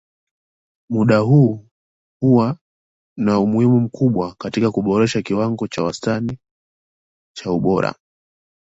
Muundo huu huwa na umuhimu mkubwa katika kuboresha kiwango cha wastani cha ubora.